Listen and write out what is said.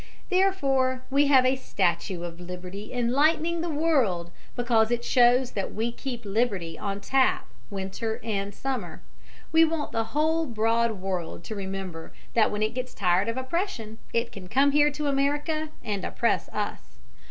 Therefore we have a statue of Liberty Enlightening the World, because it shows that we keep Liberty on tap winter and summer. We want the whole broad world to remember that when it gets tired of oppression it can come here to America and oppress us.